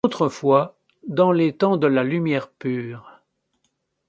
Autrefois, dans les temps de la lumière pure